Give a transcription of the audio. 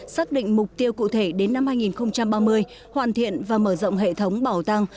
xác định mục tiêu cụ thể đến năm hai nghìn ba mươi hoàn thiện và mở rộng hệ thống bảo tàng